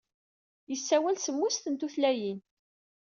Yessawal semmuset n tutlayin.